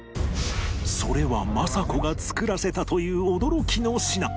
それは政子が作らせたという驚きの品